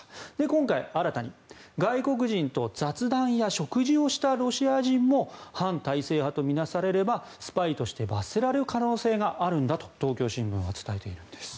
今回、新たに外国人と雑談や食事をしたロシア人も反体制派と見なされればスパイとして罰せられる可能性があるんだと東京新聞は伝えているんです。